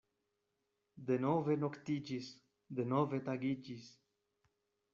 Denove noktiĝis; denove tagiĝis.